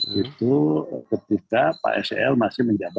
ya itu ketika pak sel masih menyampaikan